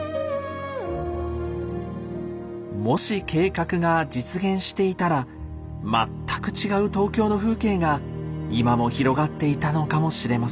もし計画が実現していたら全く違う東京の風景が今も広がっていたのかもしれません。